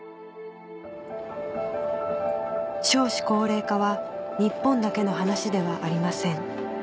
少子高齢化は日本だけの話ではありません